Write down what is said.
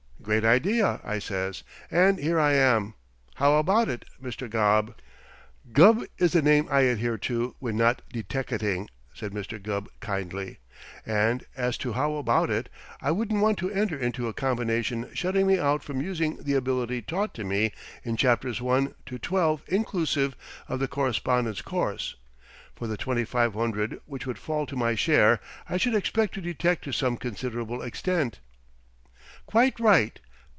'Great idea!' I says, and here I am. How about it, Mr. Gobb?" "Gubb is the name I adhere to when not deteckating," said Mr. Gubb kindly. "And as to how about it, I wouldn't want to enter into a combination shutting me out from using the ability taught to me in Chapters One to Twelve inclusive, of the Correspondence course. For the twenty five hundred which would fall to my share, I should expect to detect to some considerable extent." "Quite right!